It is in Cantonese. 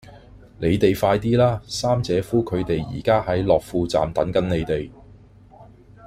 你哋快啲啦!三姐夫佢哋而家喺樂富站等緊你哋